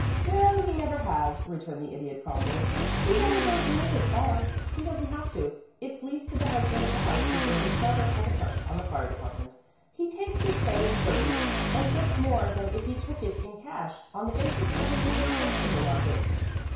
"Well, he never has," returned the Idiot, calmly. "He never goes near his farm. He doesn't have to. It's leased to the husband of the house keeper whose daughter has a crush on the fire department. He takes his pay in produce, and gets more than if he took it in cash on the basis of the New York vegetable market."